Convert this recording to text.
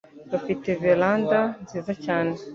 Bafite veranda nziza cyane